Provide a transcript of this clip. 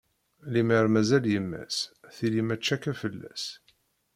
Lemmer mazal yemma-s, tili mačči akka fell-as.